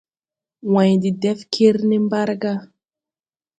Wãy de dɛf kere ne mbarga.